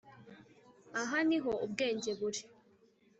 Aha ni ho ubwenge buri